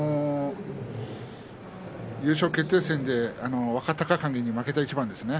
優勝決定戦で若隆景に負けた一番ですね